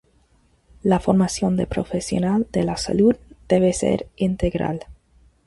La formación del profesional de la salud debe ser integral.